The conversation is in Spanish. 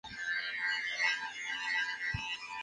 Se encuentra próxima al límite con Lot.